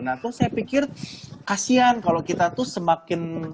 nah tuh saya pikir kasian kalau kita tuh semakin